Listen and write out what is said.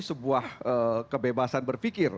sebuah kebebasan berpikir